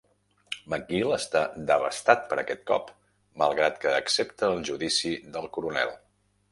McGill està devastat per aquest cop, malgrat que accepta el judici del coronel.